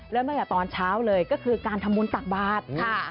เริ่มตั้งแต่ตอนเช้าเลยก็คือการทำบุญตักบาท